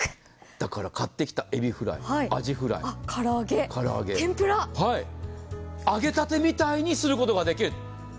だから買ってきたエビフライ、アジフライ、唐揚げ、天ぷらも、揚げたてみたいにすることができる！